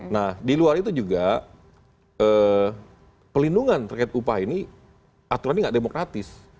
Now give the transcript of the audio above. nah di luar itu juga pelindungan terkait upah ini aturannya nggak demokratis